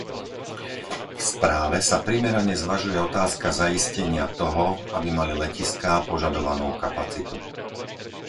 V správe sa primerane zvažuje otázka zaistenia toho, aby mali letiská požadovanú kapacitu.